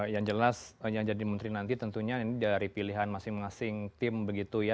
yang jelas yang jadi menteri nanti tentunya ini dari pilihan masing masing tim begitu ya